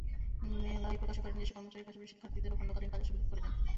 মেলায় প্রকাশকেরা নিজস্ব কর্মচারীর পাশাপাশি শিক্ষার্থীদেরও খণ্ডকালীন কাজের সুযোগ করে দেন।